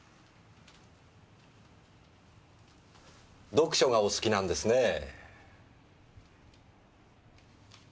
読書がお好きなんですねぇ。